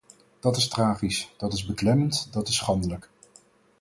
Dat is tragisch, dat is beklemmend, dat is schandelijk.